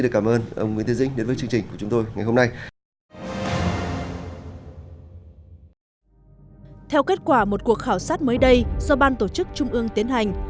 theo kết quả một cuộc khảo sát mới đây do ban tổ chức trung ương tiến hành